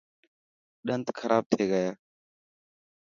ڏنت خراب ٿي گيا.